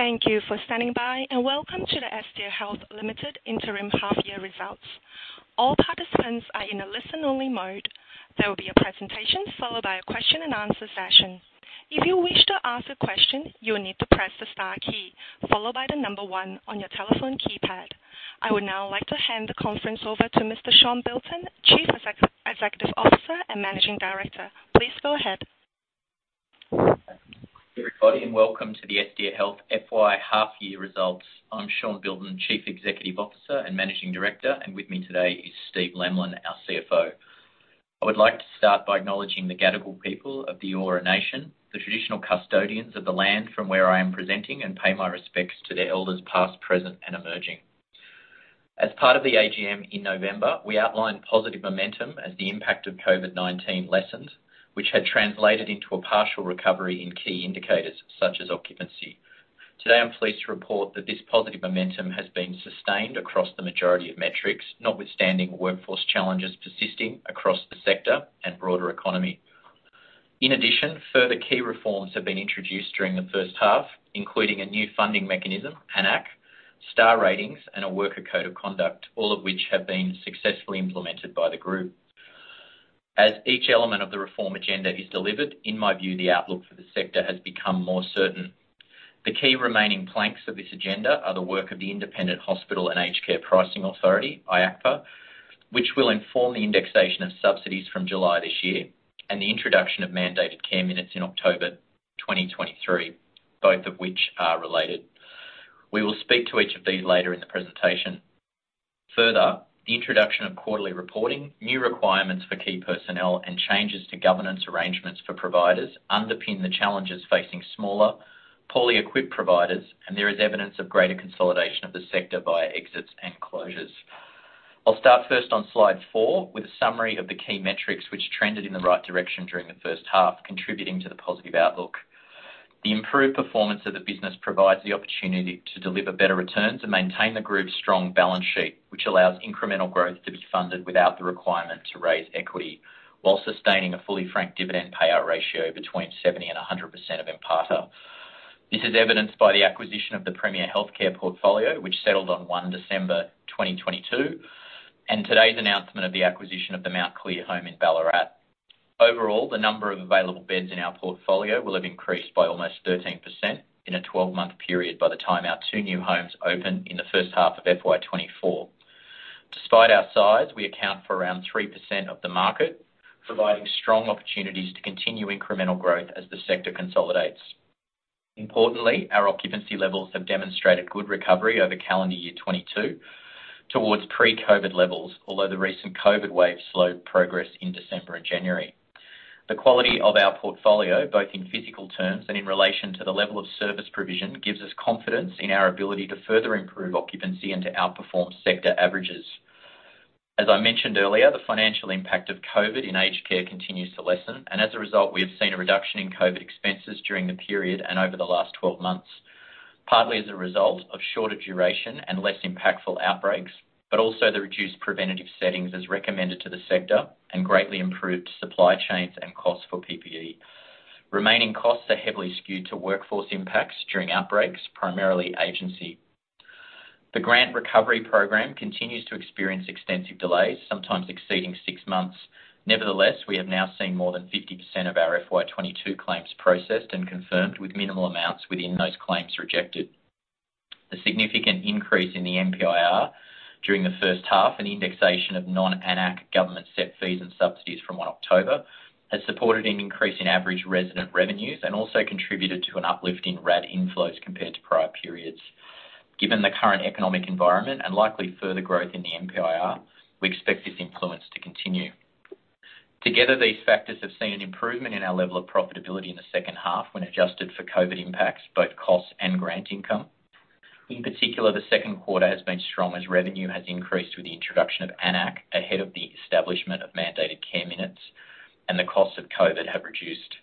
Thank you for standing by, welcome to the Estia Health Limited interim half year results. All participants are in a listen only mode. There will be a presentation followed by a question and answer session. If you wish to ask a question, you will need to press the star key followed by one on your telephone keypad. I would now like to hand the conference over to Mr. Sean Bilton, Chief Executive Officer and Managing Director. Please go ahead. Everybody, welcome to the Estia Health FY half year results. I'm Sean Bilton, Chief Executive Officer and Managing Director, and with me today is Steve Lemlin, our CFO. I would like to start by acknowledging the Gadigal people of the Eora nation, the traditional custodians of the land from where I am presenting, and pay my respects to their elders past, present, and emerging. As part of the AGM in November, we outlined positive momentum as the impact of COVID-19 lessened, which had translated into a partial recovery in key indicators such as occupancy. Today, I'm pleased to report that this positive momentum has been sustained across the majority of metrics, notwithstanding workforce challenges persisting across the sector and broader economy. In addition, further key reforms have been introduced during the first half, including a new funding mechanism, AN-ACC, star ratings and a worker code of conduct, all of which have been successfully implemented by the group. As each element of the reform agenda is delivered, in my view, the outlook for the sector has become more certain. The key remaining planks of this agenda are the work of the Independent Health and Aged Care Pricing Authority, IHACPA, which will inform the indexation of subsidies from July this year, and the introduction of mandated care minutes in October 2023, both of which are related. We will speak to each of these later in the presentation. Further, the introduction of quarterly reporting, new requirements for key personnel, and changes to governance arrangements for providers underpin the challenges facing smaller, poorly equipped providers, and there is evidence of greater consolidation of the sector via exits and closures. I'll start first on slide four with a summary of the key metrics which trended in the right direction during the first half, contributing to the positive outlook. The improved performance of the business provides the opportunity to deliver better returns and maintain the group's strong balance sheet, which allows incremental growth to be funded without the requirement to raise equity, while sustaining a fully franked dividend payout ratio between 70% and 100% of NPATA. This is evidenced by the acquisition of the Premier Health Care portfolio, which settled on December 1, 2022, and today's announcement of the acquisition of the Mount Clear Home in Ballarat. Overall, the number of available beds in our portfolio will have increased by almost 13% in a 12-month period by the time our two new homes open in the first half of FY 2024. Despite our size, we account for around 3% of the market, providing strong opportunities to continue incremental growth as the sector consolidates. Importantly, our occupancy levels have demonstrated good recovery over calendar year 2022 towards pre-COVID levels. The recent COVID wave slowed progress in December and January. The quality of our portfolio, both in physical terms and in relation to the level of service provision, gives us confidence in our ability to further improve occupancy and to outperform sector averages. As I mentioned earlier, the financial impact of COVID in aged care continues to lessen, and as a result, we have seen a reduction in COVID expenses during the period and over the last 12 months, partly as a result of shorter duration and less impactful outbreaks, but also the reduced preventative settings as recommended to the sector and greatly improved supply chains and costs for PPE. Remaining costs are heavily skewed to workforce impacts during outbreaks, primarily agency. The grant recovery program continues to experience extensive delays, sometimes exceeding six months. Nevertheless, we have now seen more than 50% of our FY 2022 claims processed and confirmed with minimal amounts within those claims rejected. The significant increase in the NPIR during the first half and indexation of non-AN-ACC government set fees and subsidies from 1 October has supported an increase in average resident revenues and also contributed to an uplift in RAD inflows compared to prior periods. Given the current economic environment and likely further growth in the NPIR, we expect this influence to continue. Together, these factors have seen an improvement in our level of profitability in the second half when adjusted for COVID impacts, both costs and grant income. In particular, the second quarter has been strong as revenue has increased with the introduction of AN-ACC ahead of the establishment of mandated care minutes and the costs of COVID have reduced.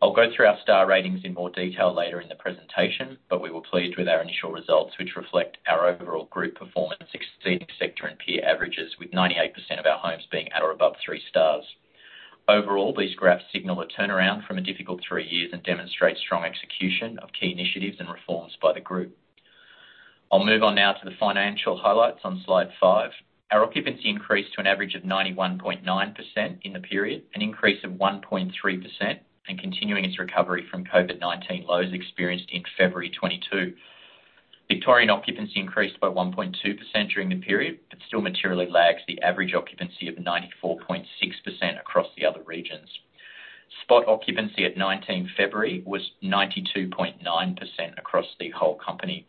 I'll go through our star ratings in more detail later in the presentation, we were pleased with our initial results, which reflect our overall group performance exceeding sector and peer averages, with 98% of our homes being at or above three stars. Overall, these graphs signal a turnaround from a difficult three years and demonstrate strong execution of key initiatives and reforms by the group. I'll move on now to the financial highlights on slide five. Our occupancy increased to an average of 91.9% in the period, an increase of 1.3%, and continuing its recovery from COVID-19 lows experienced in February 2022. Victorian occupancy increased by 1.2% during the period, but still materially lags the average occupancy of 94.6% across the other regions. Spot occupancy at February 19 was 92.9% across the whole company.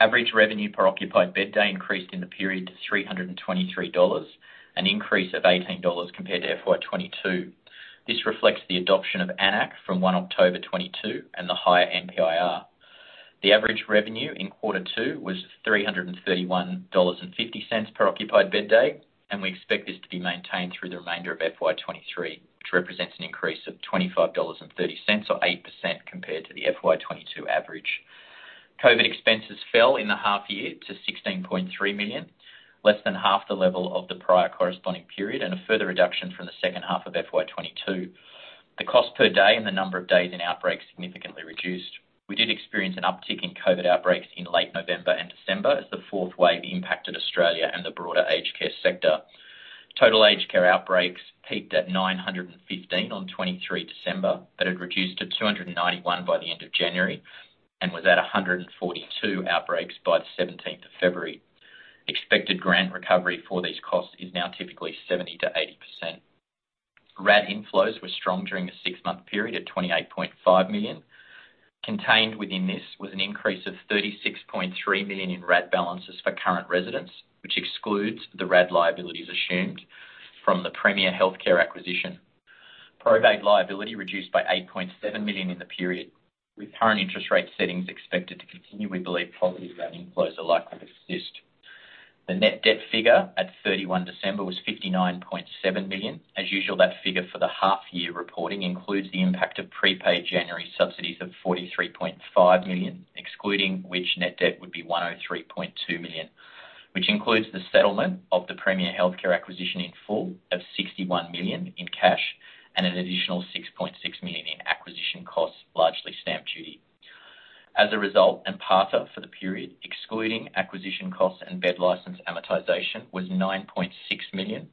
Average revenue per occupied bed day increased in the period to 323 dollars, an increase of 18 dollars compared to FY 2022. This reflects the adoption of AN-ACC from October 1, 2022 and the higher NPIR. The average revenue in Q2 was 331.50 dollars per occupied bed day, and we expect this to be maintained through the remainder of FY 2023, which represents an increase of 25.30 dollars, or 8% compared to the FY 2022 average. COVID expenses fell in the half year to 16.3 million, less than half the level of the prior corresponding period and a further reduction from the second half of FY 2022. The cost per day and the number of days in outbreaks significantly reduced. We did experience an uptick in COVID outbreaks in late November and December as the fourth wave impacted Australia and the broader aged care sector. Total aged care outbreaks peaked at 915 on December 23, but had reduced to 291 by the end of January and was at 142 outbreaks by the February 17th. Expected grant recovery for these costs is now typically 70%-80%. RAD inflows were strong during the six-month period at 28.5 million. Contained within this was an increase of 36.3 million in RAD balances for current residents, which excludes the RAD liabilities assumed from the Premier Health Care acquisition. Proved liability reduced by 8.7 million in the period. With current interest rate settings expected to continue, we believe positive RAD inflows are likely to persist. The net debt figure at December 31 was 59.7 million. As usual, that figure for the half year reporting includes the impact of prepaid January subsidies of 43.5 million, excluding which net debt would be 103.2 million, which includes the settlement of the Premier Health Care acquisition in full of 61 million in cash and an additional 6.6 million in acquisition costs, largely stamp duty. As a result, and part of for the period, excluding acquisition costs and bed license amortization was 9.6 million.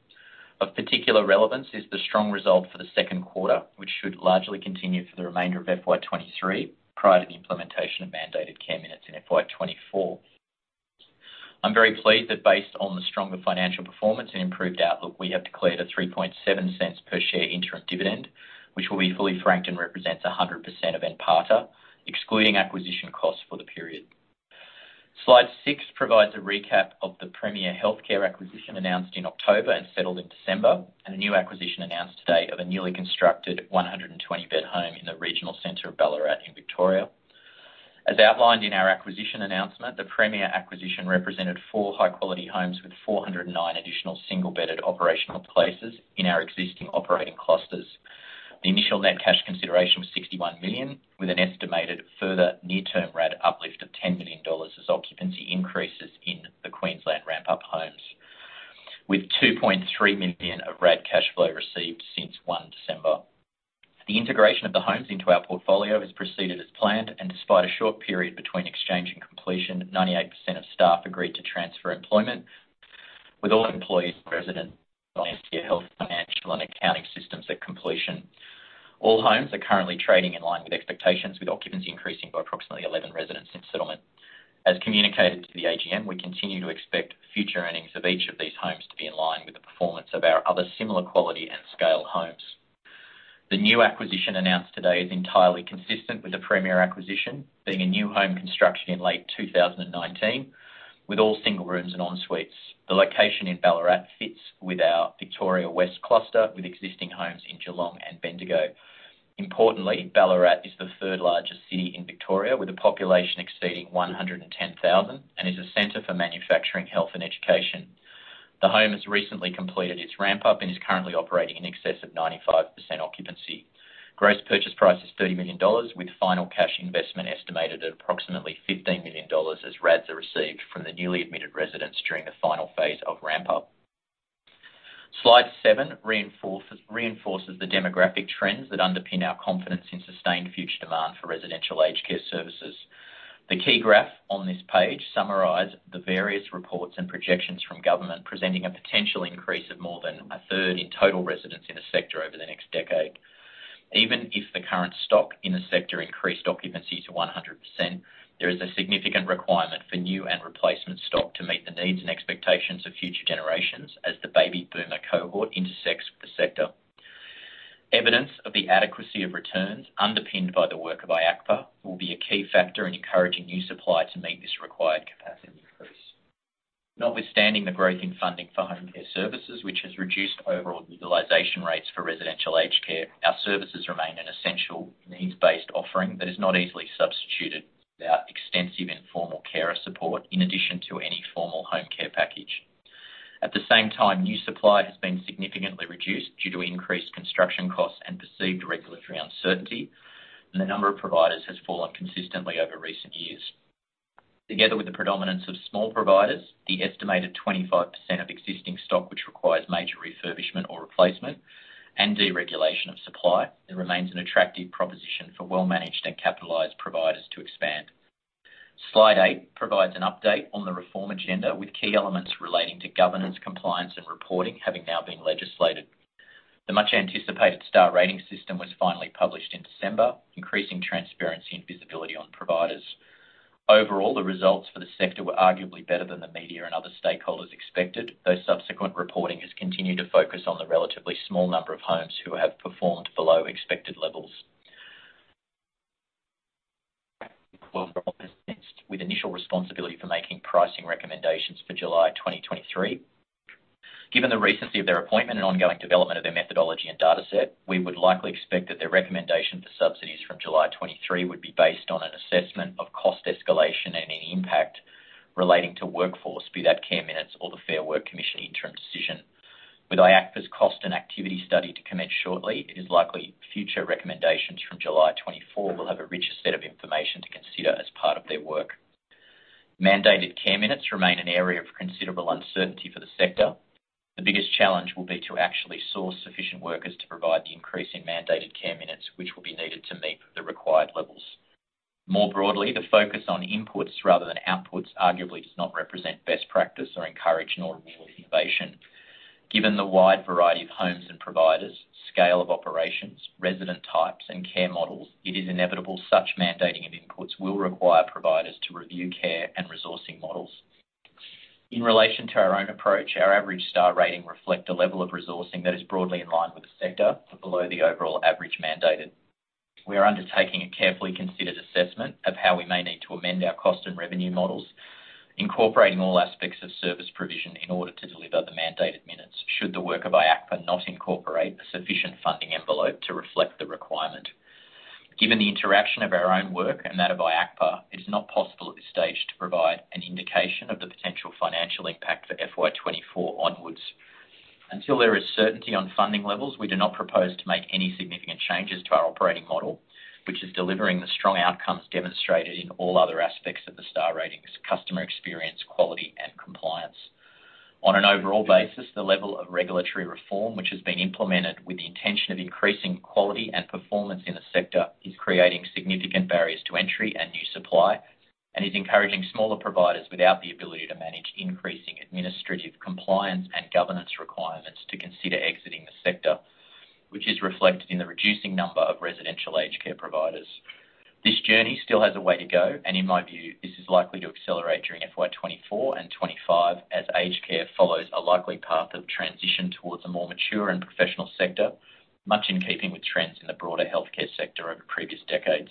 Of particular relevance is the strong result for the second quarter, which should largely continue for the remainder of FY 2023, prior to the implementation of mandated care minutes in FY 2024. I'm very pleased that based on the stronger financial performance and improved outlook, we have declared an 0.037 per share interim dividend, which will be fully franked and represents 100% of NPATA, excluding acquisition costs for the period. Slide six provides a recap of the Premier Health Care acquisition announced in October and settled in December, and a new acquisition announced today of a newly constructed 120-bed home in the regional center of Ballarat in Victoria. As outlined in our acquisition announcement, the Premier acquisition represented four high-quality homes with 409 additional single-bedded operational places in our existing operating clusters. The initial net cash consideration was 61 million, with an estimated further near-term RAD uplift of 10 million dollars as occupancy increases in the Queensland ramp-up homes. With 2.3 million of RAD cash flow received since December 1. The integration of the homes into our portfolio has proceeded as planned, and despite a short period between exchange and completion, 98% of staff agreed to transfer employment, with all employees and residents on Estia Health financial and accounting systems at completion. All homes are currently trading in line with expectations, with occupancy increasing by approximately 11 residents since settlement. As communicated to the AGM, we continue to expect future earnings of each of these homes to be in line with the performance of our other similar quality and scale homes. The new acquisition announced today is entirely consistent with the Premier acquisition, being a new home construction in late 2019, with all single rooms and ensuites. The location in Ballarat fits with our Victoria West cluster, with existing homes in Geelong and Bendigo. Importantly, Ballarat is the third largest city in Victoria, with a population exceeding 110,000 and is a center for manufacturing, health and education. The home has recently completed its ramp-up and is currently operating in excess of 95% occupancy. Gross purchase price is 30 million dollars, with final cash investment estimated at approximately 15 million dollars as RADs are received from the newly admitted residents during the final phase of ramp-up. Slide seven reinforce, reinforces the demographic trends that underpin our confidence in sustained future demand for residential aged care services. The key graph on this page summarize the various reports and projections from government, presenting a potential increase of more than a third in total residents in the sector over the next decade. Even if the current stock in the sector increased occupancy to 100%, there is a significant requirement for new and replacement stock to meet the needs and expectations of future generations as the baby boomer cohort intersects with the sector. Evidence of the adequacy of returns underpinned by the work of IHACPA will be a key factor in encouraging new supply to meet this required capacity increase. Notwithstanding the growth in funding for home care services, which has reduced overall utilization rates for residential aged care, our services remain an essential needs-based offering that is not easily substituted without extensive informal care support in addition to any formal home care package. At the same time, new supply has been significantly reduced due to increased construction costs and perceived regulatory uncertainty, and the number of providers has fallen consistently over recent years. Together with the predominance of small providers, the estimated 25% of existing stock, which requires major refurbishment or replacement and deregulation of supply, it remains an attractive proposition for well-managed and capitalized providers to expand. Slide eight provides an update on the reform agenda, with key elements relating to governance, compliance and reporting having now been legislated. The much anticipated star rating system was finally published in December, increasing transparency and visibility on providers. Overall, the results for the sector were arguably better than the media and other stakeholders expected, though subsequent reporting has continued to focus on the relatively small number of homes who have performed below expected levels. With initial responsibility for making pricing recommendations for July 2023. Given the recency of their appointment and ongoing development of their methodology and data set, we would likely expect that their recommendation for subsidies from July 2023 would be based on an assessment of cost escalation and any impact relating to workforce, be that care minutes or the Fair Work Commission interim decision. With IHACPA's cost and activity study to commence shortly, it is likely future recommendations from July 2024 will have a richer set of information to consider as part of their work. Mandated care minutes remain an area of considerable uncertainty for the sector. The biggest challenge will be to actually source sufficient workers to provide the increase in mandated care minutes, which will be needed to meet the required levels. More broadly, the focus on inputs rather than outputs arguably does not represent best practice or encourage nor reward innovation. Given the wide variety of homes and providers, scale of operations, resident types, and care models, it is inevitable such mandating of inputs will require providers to review care and resourcing models. In relation to our own approach, our average star rating reflect a level of resourcing that is broadly in line with the sector, but below the overall average mandated. We are undertaking a carefully considered assessment of how we may need to amend our cost and revenue models, incorporating all aspects of service provision in order to deliver the mandated minutes, should the work of IHACPA not incorporate a sufficient funding envelope to reflect the requirement. Given the interaction of our own work and that of IHACPA, it is not possible at this stage to provide an indication of the potential financial impact for FY 2024 onwards. Until there is certainty on funding levels, we do not propose to make any significant changes to our operating model, which is delivering the strong outcomes demonstrated in all other aspects of the star ratings, customer experience, quality, and compliance. On an overall basis, the level of regulatory reform which has been implemented with the intention of increasing quality and performance in the sector is creating significant barriers to entry and new supply, and is encouraging smaller providers without the ability to manage increasing administrative compliance and governance requirements to consider exiting the sector, which is reflected in the reducing number of residential aged care providers. This journey still has a way to go, and in my view, this is likely to accelerate during FY 2024 and 2025 as aged care follows a likely path of transition towards a more mature and professional sector, much in keeping with trends in the broader healthcare sector over previous decades.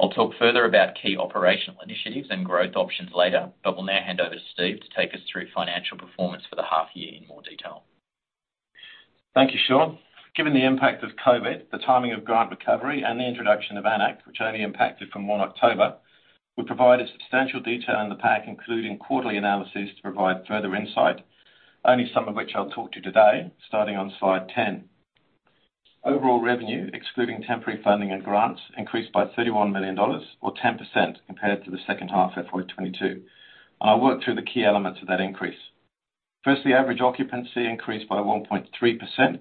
I'll talk further about key operational initiatives and growth options later, but will now hand over to Steve to take us through financial performance for the half year in more detail. Thank you, Sean. Given the impact of COVID, the timing of grant recovery, and the introduction of AN-ACC, which only impacted from October 1, we provided substantial detail in the pack, including quarterly analysis to provide further insight, only some of which I'll talk to you today, starting on slide 10. Overall revenue, excluding temporary funding and grants, increased by $31 million or 10% compared to the second half of FY 2022. I'll work through the key elements of that increase. Firstly, average occupancy increased by 1.3%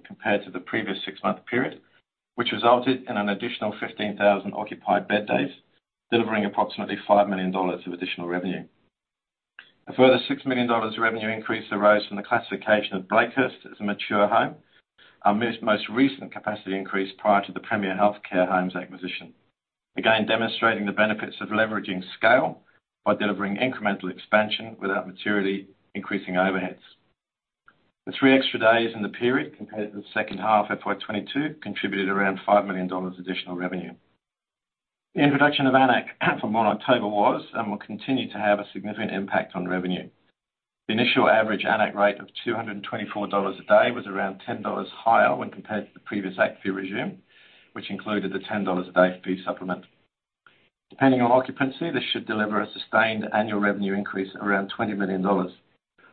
compared to the previous six-month period, which resulted in an additional 15,000 occupied bed days, delivering approximately $5 million of additional revenue. A further $6 million of revenue increase arose from the classification of Blakehurst as a mature home. Our most recent capacity increase prior to the Premier Healthcare Homes acquisition. Again, demonstrating the benefits of leveraging scale by delivering incremental expansion without materially increasing overheads. The three extra days in the period compared to the second half of FY 2022 contributed around $5 million additional revenue. The introduction of AN-ACC from October 1 was and will continue to have a significant impact on revenue. The initial average AN-ACC rate of $224 a day was around $10 higher when compared to the previous ACT fee regime, which included the $10 a day fee supplement. Depending on occupancy, this should deliver a sustained annual revenue increase around $20 million.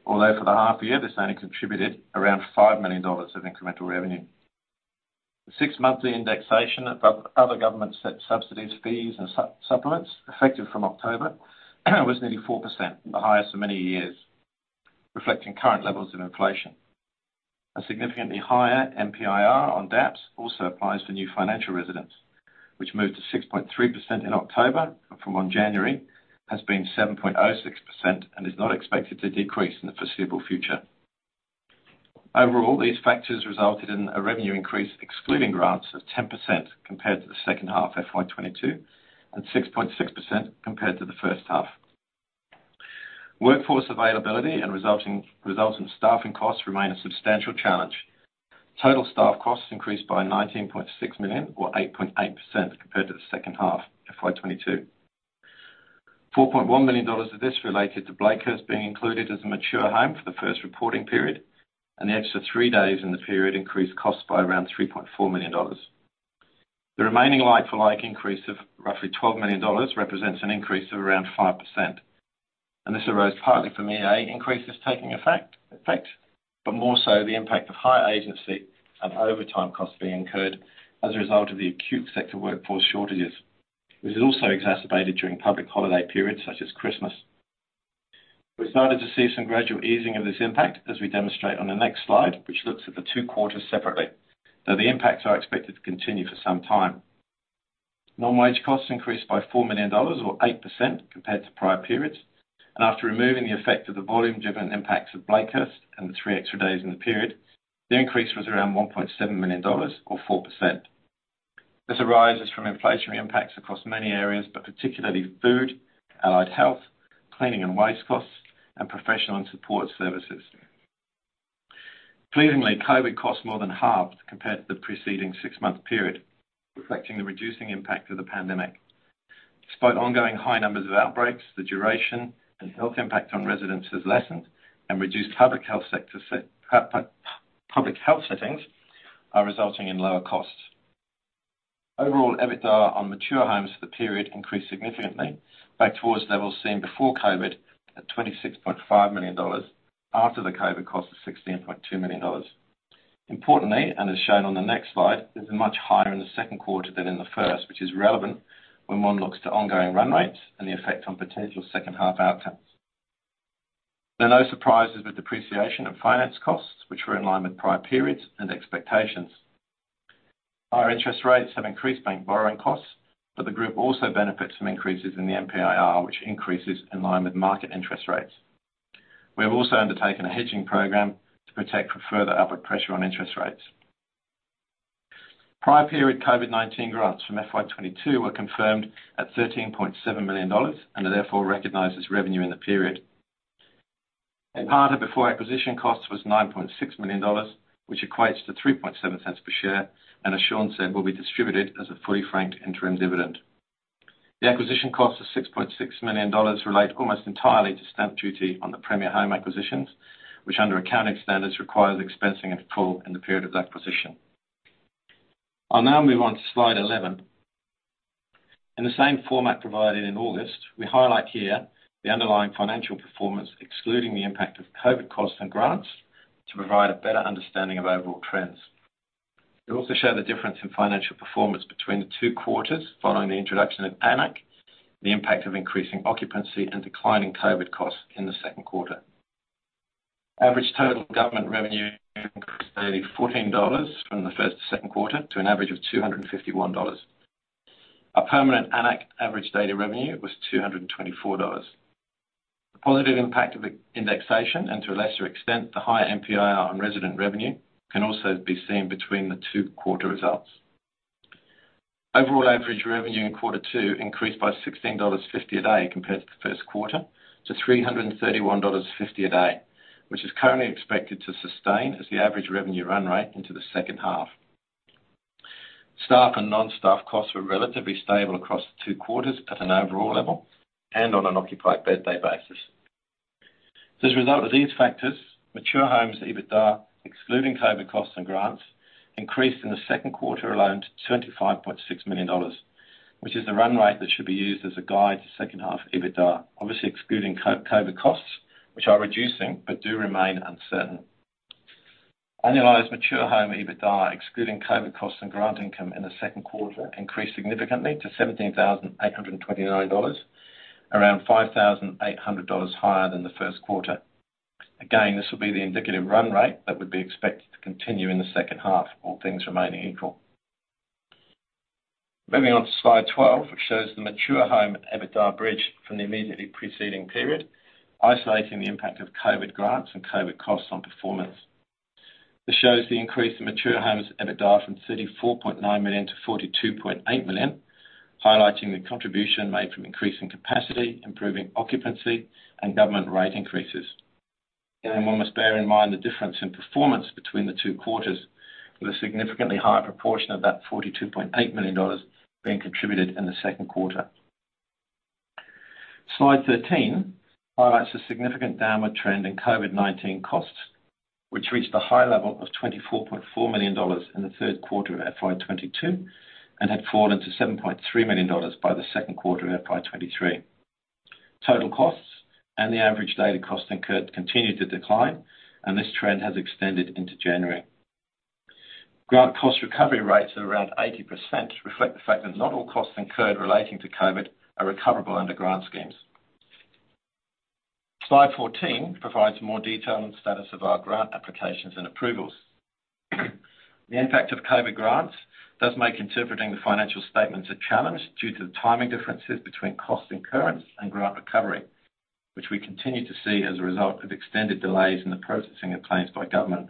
Although for the half-year, this only contributed around $5 million of incremental revenue. The six-monthly indexation of other government set subsidies, fees, and supplements effective from October was nearly 4%, the highest in many years, reflecting current levels of inflation. A significantly higher MPIR on DAPS also applies to new financial residents, which moved to 6.3% in October, but from January 1 has been 7.06% and is not expected to decrease in the foreseeable future. Overall, these factors resulted in a revenue increase excluding grants of 10% compared to the second half of FY 2022 and 6.6% compared to the first half. Workforce availability and resulting staffing costs remain a substantial challenge. Total staff costs increased by 19.6 million or 8.8% compared to the second half, FY 2022. 4.1 million dollars of this related to Blakehurst being included as a mature home for the first reporting period, and the extra three days in the period increased costs by around 3.4 million dollars. The remaining like-for-like increase of roughly 12 million dollars represents an increase of around 5%. This arose partly from EA increases taking effect, but more so the impact of higher agency and overtime costs being incurred as a result of the acute sector workforce shortages, which is also exacerbated during public holiday periods such as Christmas. We started to see some gradual easing of this impact as we demonstrate on the next slide, which looks at the two quarters separately. The impacts are expected to continue for some time. Non-wage costs increased by 4 million dollars or 8% compared to prior periods. After removing the effect of the volume-driven impacts of Blakehurst and the three extra days in the period, the increase was around 1.7 million dollars or 4%. This arises from inflationary impacts across many areas, but particularly food, allied health, cleaning and waste costs, and professional and support services. Pleasingly, COVID costs more than halved compared to the preceding six-month period, reflecting the reducing impact of the pandemic. Despite ongoing high numbers of outbreaks, the duration and health impact on residents has lessened and reduced public health settings are resulting in lower costs. Overall, EBITDA on mature homes for the period increased significantly back towards levels seen before COVID at 26.5 million dollars after the COVID cost of 16.2 million dollars. Importantly, as shown on the next slide, it's much higher in the second quarter than in the first, which is relevant when one looks to ongoing run rates and the effect on potential second half outcomes. There are no surprises with depreciation of finance costs, which were in line with prior periods and expectations. The group also benefits from increases in the NPIR, which increases in line with market interest rates. We have also undertaken a hedging program to protect for further upward pressure on interest rates. Prior period COVID-19 grants from FY 2022 were confirmed at 13.7 million dollars, are therefore recognized as revenue in the period. A part of before acquisition costs was 9.6 million dollars, which equates to 0.037 per share, as Sean said, will be distributed as a fully franked interim dividend. The acquisition cost of 6.6 million dollars relate almost entirely to stamp duty on the Premier Health Care acquisitions, which under accounting standards requires expensing in full in the period of that acquisition. I'll now move on to slide 11. In the same format provided in August, we highlight here the underlying financial performance, excluding the impact of COVID costs and grants, to provide a better understanding of overall trends. It will also show the difference in financial performance between the two quarters following the introduction of AN-ACC, the impact of increasing occupancy and declining COVID costs in the second quarter. Average total government revenue increased daily 14 dollars from the first to second quarter to an average of 251 dollars. Our permanent AN-ACC average daily revenue was 224 dollars. The positive impact of the indexation, and to a lesser extent, the higher NPIR on resident revenue, can also be seen between the two quarter results. Overall average revenue in quarter two increased by 16.50 dollars a day compared to the first quarter, to 331.50 dollars a day, which is currently expected to sustain as the average revenue run rate into the second half. Staff and non-staff costs were relatively stable across the two quarters at an overall level and on an occupied bed day basis. As a result of these factors, mature homes EBITDA, excluding COVID costs and grants, increased in the second quarter alone to 25.6 million dollars, which is the run rate that should be used as a guide to second half EBITDA, obviously excluding COVID costs, which are reducing but do remain uncertain. Annualized mature home EBITDA, excluding COVID costs and grant income in the second quarter, increased significantly to 17,829 dollars, around 5,800 dollars higher than the first quarter. This will be the indicative run rate that would be expected to continue in the second half, all things remaining equal. Moving on to slide 12, which shows the mature home EBITDA bridge from the immediately preceding period, isolating the impact of COVID grants and COVID costs on performance. This shows the increase in mature homes EBITDA from 34.9 million-42.8 million, highlighting the contribution made from increasing capacity, improving occupancy and government rate increases. One must bear in mind the difference in performance between the two quarters with a significantly higher proportion of that AUD 42.8 million being contributed in the second quarter. Slide 13 highlights a significant downward trend in COVID-19 costs, which reached a high level of 24.4 million dollars in the third quarter of FY 2022, and had fallen to 7.3 million dollars by the second quarter of FY 2023. Total costs and the average daily cost incurred continued to decline. This trend has extended into January. Grant cost recovery rates at around 80% reflect the fact that not all costs incurred relating to COVID are recoverable under grant schemes. Slide 14 provides more detail on the status of our grant applications and approvals. The impact of COVID grants does make interpreting the financial statements a challenge due to the timing differences between cost incurrence and grant recovery, which we continue to see as a result of extended delays in the processing of claims by government.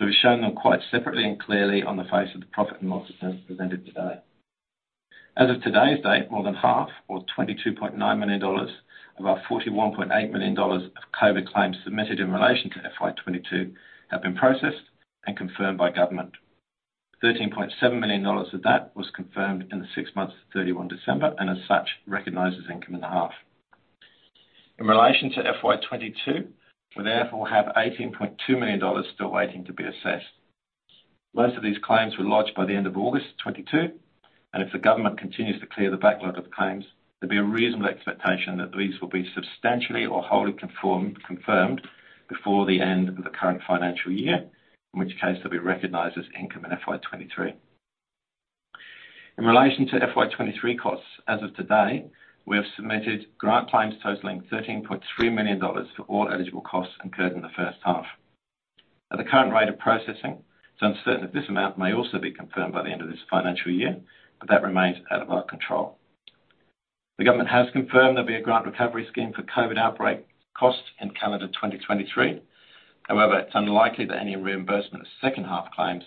We've shown them quite separately and clearly on the face of the profit and loss presented today. As of today's date, more than half or AUD 22.9 million of our AUD 41.8 million of COVID claims submitted in relation to FY 2022 have been processed and confirmed by government. 13.7 million dollars of that was confirmed in the six months to December 31. As such, recognizes income in the half. In relation to FY 2022, we therefore have 18.2 million dollars still waiting to be assessed. Most of these claims were lodged by the end of August 2022. If the government continues to clear the backlog of claims, there'd be a reasonable expectation that these will be substantially or wholly confirmed before the end of the current financial year, in which case they'll be recognized as income in FY 2023. In relation to FY 2023 costs, as of today, we have submitted grant claims totaling 13.3 million dollars for all eligible costs incurred in the first half. At the current rate of processing, it's uncertain if this amount may also be confirmed by the end of this financial year, but that remains out of our control. The government has confirmed there'll be a grant recovery scheme for COVID outbreak costs in calendar 2023. It's unlikely that any reimbursement of second half claims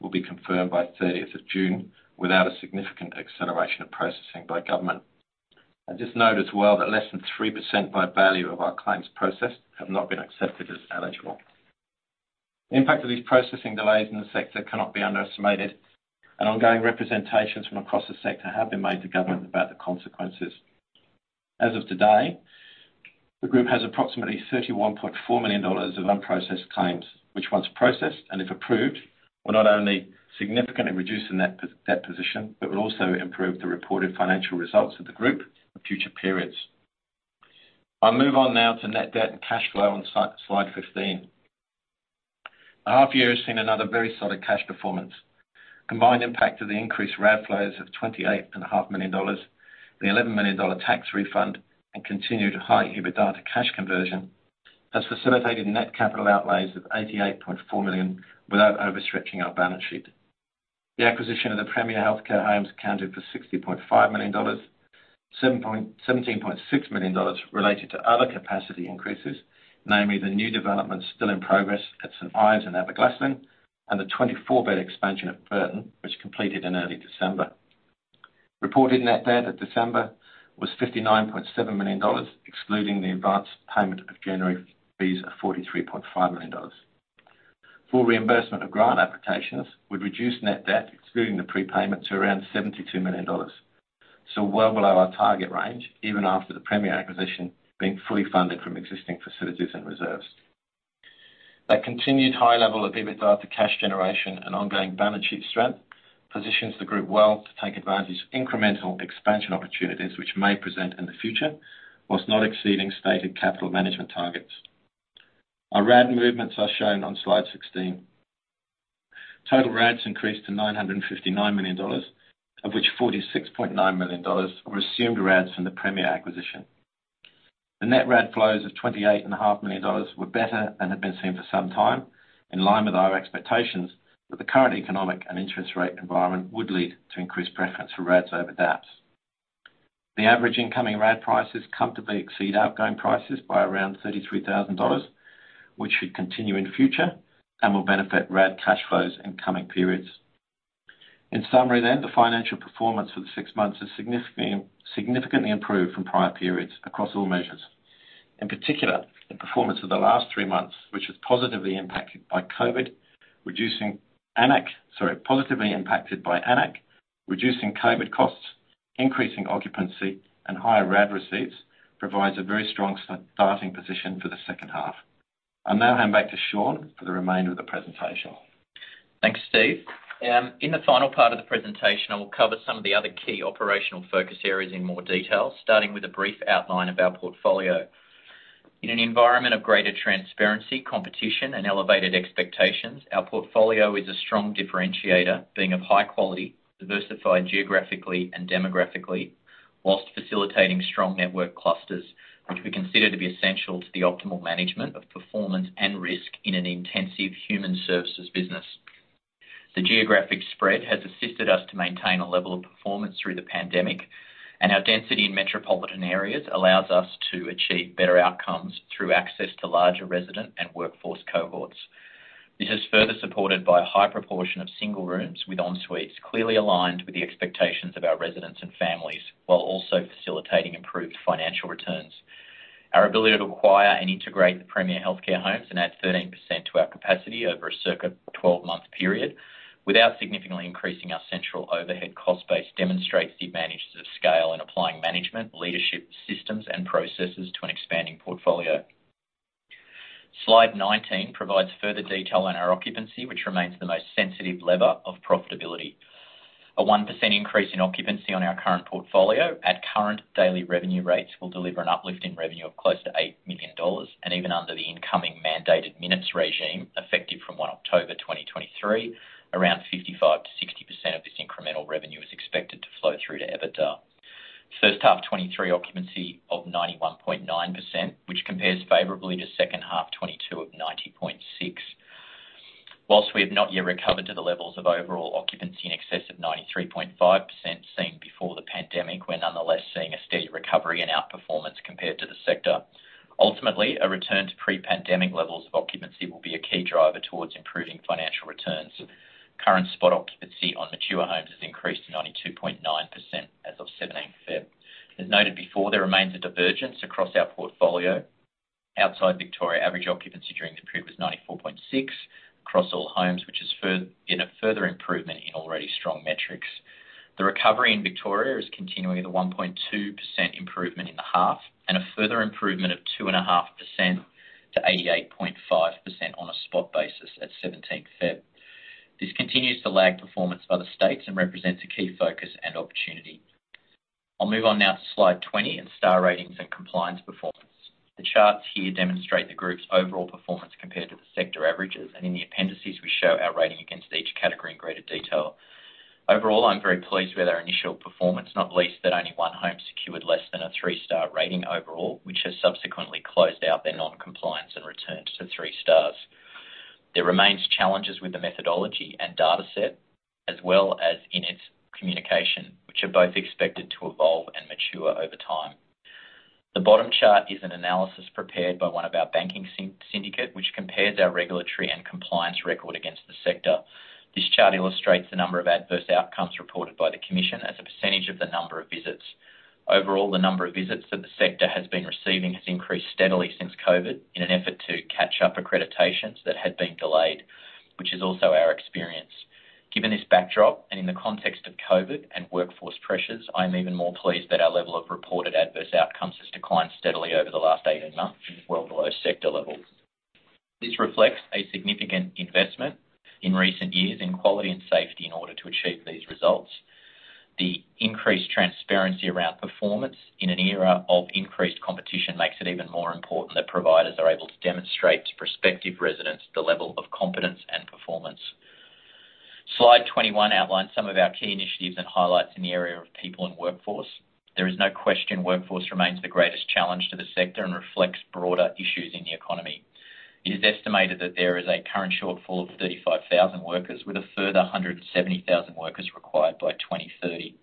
will be confirmed by June 30th without a significant acceleration of processing by government. I just note as well that less than 3% by value of our claims processed have not been accepted as eligible. The impact of these processing delays in the sector cannot be underestimated. Ongoing representations from across the sector have been made to government about the consequences. As of today, the group has approximately 31.4 million dollars of unprocessed claims, which once processed, and if approved, will not only significantly reduce the net debt position, but will also improve the reported financial results of the group in future periods. I'll move on now to net debt and cash flow on slide 15. The half year has seen another very solid cash performance. Combined impact of the increased RAD flows of 28.5 million dollars, the 11 million dollar tax refund, and continued high EBITDA to cash conversion, has facilitated net capital outlays of 88.4 million without overstretching our balance sheet. The acquisition of the Premier Health Care Homes accounted for 60.5 million dollars. 17.6 million dollars related to other capacity increases, namely the new developments still in progress at St. Ives and Aberglasslyn, and the 24-bed expansion at Burton, which completed in early December. Reported net debt at December was 59.7 million dollars, excluding the advanced payment of January fees of 43.5 million dollars. Full reimbursement of grant applications would reduce net debt, excluding the prepayment, to around 72 million dollars, well below our target range even after the Premier acquisition being fully funded from existing facilities and reserves. That continued high level of EBITDA to cash generation and ongoing balance sheet strength positions the group well to take advantage of incremental expansion opportunities which may present in the future, whilst not exceeding stated capital management targets. Our RAD movements are shown on slide 16. Total RADs increased to 959 million dollars, of which 46.9 million dollars were assumed RADs from the Premier acquisition. The net RAD flows of 28 and a half million were better than had been seen for some time, in line with our expectations that the current economic and interest rate environment would lead to increased preference for RADs over DAPs. The average incoming RAD prices comfortably exceed outgoing prices by around 33,000 dollars, which should continue in future and will benefit RAD cash flows in coming periods. In summary, the financial performance for the six months has significantly improved from prior periods across all measures. In particular, the performance of the last three months, which was positively impacted by AN-ACC, reducing COVID costs, increasing occupancy, and higher RAD receipts, provides a very strong starting position for the second half. I'll now hand back to Sean for the remainder of the presentation. Thanks, Steve. In the final part of the presentation, I will cover some of the other key operational focus areas in more detail, starting with a brief outline of our portfolio. In an environment of greater transparency, competition, and elevated expectations, our portfolio is a strong differentiator, being of high quality, diversified geographically and demographically, while facilitating strong network clusters, which we consider to be essential to the optimal management of performance and risk in an intensive human services business. The geographic spread has assisted us to maintain a level of performance through the pandemic, our density in metropolitan areas allows us to achieve better outcomes through access to larger resident and workforce cohorts. This is further supported by a high proportion of single rooms with en suites, clearly aligned with the expectations of our residents and families, while also facilitating improved financial returns. Our ability to acquire and integrate the Premier Health Care homes and add 13% to our capacity over a 12-month period without significantly increasing our central overhead cost base demonstrates the advantages of scale in applying management, leadership, systems, and processes to an expanding portfolio. Slide 19 provides further detail on our occupancy, which remains the most sensitive lever of profitability. A 1% increase in occupancy on our current portfolio at current daily revenue rates will deliver an uplift in revenue of close to 8 million dollars, and even under the incoming mandated minutes regime effective from October 1, 2023, around 55%-60% of this incremental revenue is expected to flow through to EBITDA. First half 2023 occupancy of 91.9%, which compares favorably to second half 2022 of 90.6%. Whilst we have not yet recovered to the levels of overall occupancy in excess of 93.5% seen before the pandemic, we're nonetheless seeing a steady recovery and outperformance compared to the sector. Ultimately, a return to pre-pandemic levels of occupancy will be a key driver towards improving financial returns. Current spot occupancy on mature homes has increased to 92.9% as of February 17th. As noted before, there remains a divergence across our portfolio. Outside Victoria, average occupancy during the period was 94.6% across all homes, which is in a further improvement in already strong metrics. The recovery in Victoria is continuing at a 1.2% improvement in the half and a further improvement of 2.5% to 88.5% on a spot basis at February 17. This continues to lag performance by the states and represents a key focus and opportunity. I'll move on now to slide 20 in star ratings and compliance performance. The charts here demonstrate the group's overall performance compared to the sector averages, and in the appendices, we show our rating against each category in greater detail. Overall, I'm very pleased with our initial performance, not least that only one home secured less than a three-star rating overall, which has subsequently closed out their non-compliance and returned to three stars. There remains challenges with the methodology and dataset, as well as in its communication, which are both expected to evolve and mature over time. The bottom chart is an analysis prepared by one of our banking syndicate, which compares our regulatory and compliance record against the sector. This chart illustrates the number of adverse outcomes reported by the commission as a percentage of the number of visits. Overall, the number of visits that the sector has been receiving has increased steadily since COVID in an effort to catch up accreditations that had been delayed, which is also our experience. Given this backdrop and in the context of COVID and workforce pressures, I'm even more pleased that our level of reported adverse outcomes has declined steadily over the last 18 months and is well below sector levels. This reflects a significant investment in recent years in quality and safety in order to achieve these results. The increased transparency around performance in an era of increased competition makes it even more important that providers are able to demonstrate to prospective residents the level of competence and performance. Slide 21 outlines some of our key initiatives and highlights in the area of people and workforce. There is no question workforce remains the greatest challenge to the sector and reflects broader issues in the economy. It is estimated that there is a current shortfall of 35,000 workers with a further 170,000 workers required by 2030.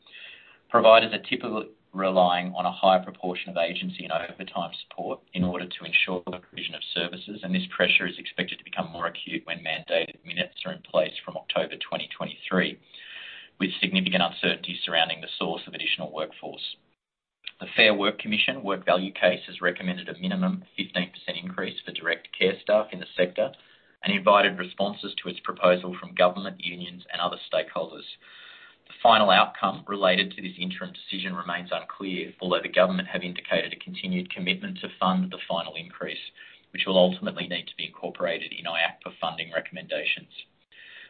Providers are typically relying on a higher proportion of agency and overtime support in order to ensure the provision of services, and this pressure is expected to become more acute when mandated minutes are in place from October 2023, with significant uncertainty surrounding the source of additional workforce. The Fair Work Commission work value case has recommended a minimum 15% increase for direct care staff in the sector and invited responses to its proposal from government, unions, and other stakeholders. The final outcome related to this interim decision remains unclear, although the government have indicated a continued commitment to fund the final increase, which will ultimately need to be incorporated in AN-ACC for funding recommendations.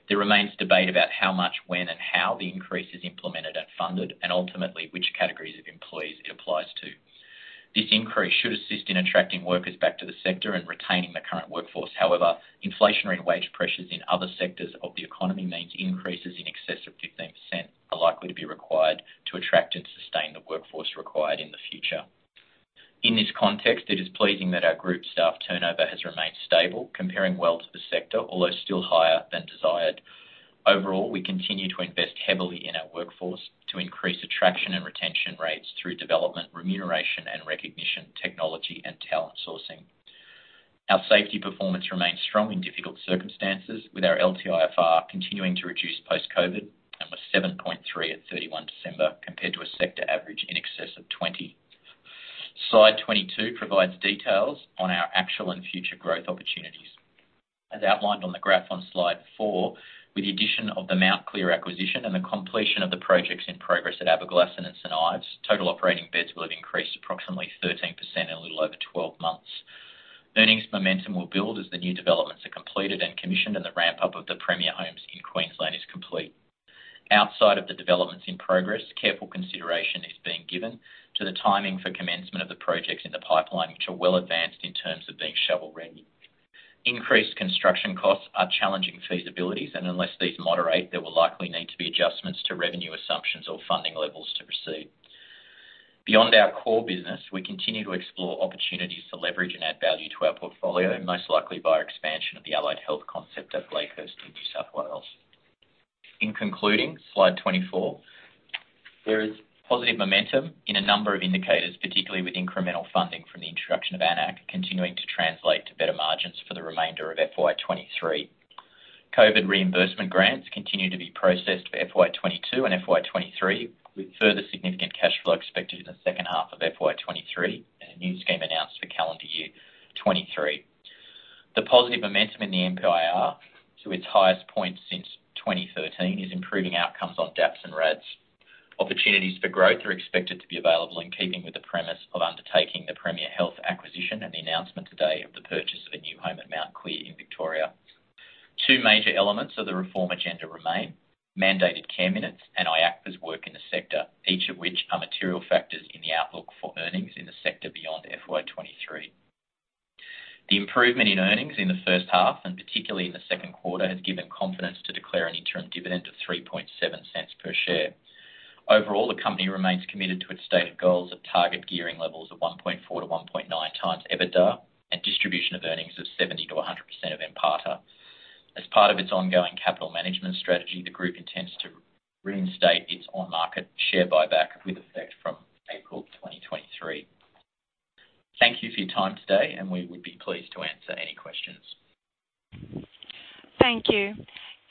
There remains debate about how much, when, and how the increase is implemented and funded, and ultimately which categories of employees it applies to. This increase should assist in attracting workers back to the sector and retaining the current workforce. Inflationary wage pressures in other sectors of the economy means increases in excess of 15% are likely to be required to attract and sustain the workforce required in the future. In this context, it is pleasing that our group staff turnover has remained stable, comparing well to the sector, although still higher than desired. Overall, we continue to invest heavily in our workforce to increase attraction and retention rates through development, remuneration, and recognition, technology, and talent sourcing. Our safety performance remains strong in difficult circumstances with our LTIFR continuing to reduce post-COVID, and was seven point three at December 31, compared to a sector average in excess of 20. Slide 22 provides details on our actual and future growth opportunities. As outlined on the graph on slide four, with the addition of the Mount Clear acquisition and the completion of the projects in progress at Aberglasslyn and St. Ives, total operating beds will have increased approximately 13% in a little over 12 months. Earnings momentum will build as the new developments are completed and commissioned, and the ramp-up of the Premier homes in Queensland is complete. Outside of the developments in progress, careful consideration is being given to the timing for commencement of the projects in the pipeline, which are well advanced in terms of being shovel-ready. Increased construction costs are challenging feasibilities, and unless these moderate, there will likely need to be adjustments to revenue assumptions or funding levels to proceed. Beyond our core business, we continue to explore opportunities to leverage and add value to our portfolio, most likely by expansion of the allied health concept at Blakehurst in New South Wales. In concluding, slide 24, there is positive momentum in a number of indicators, particularly with incremental funding from the introduction of AN-ACC, continuing to translate to better margins for the remainder of FY 2023. COVID reimbursement grants continue to be processed for FY 2022 and FY 2023, with further significant cash flow expected in the second half of FY 2023, and a new scheme announced for calendar year 2023. The positive momentum in the NPIR to its highest point since 2013 is improving outcomes on DAPs and RADs. Opportunities for growth are expected to be available in keeping with the premise of undertaking the Premier Health acquisition and the announcement today of the purchase of a new home at Mount Clear in Victoria. Two major elements of the reform agenda remain, mandated care minutes and IHACPA's work in the sector, each of which are material factors in the outlook for earnings in the sector beyond FY 2023. The improvement in earnings in the first half, and particularly in the second quarter, has given confidence to declare an interim dividend of 0.037 per share. Overall, the company remains committed to its stated goals of target gearing levels of 1.4-1.9 times EBITDA and distribution of earnings of 70%-100% of NPATA. As part of its ongoing capital management strategy, the group intends to reinstate its on-market share buyback with effect from April 2023. Thank you for your time today, and we would be pleased to answer any questions. Thank you.